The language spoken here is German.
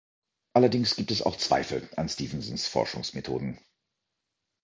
Allerdings gibt es auch Zweifel an Stevensons Forschungsmethoden.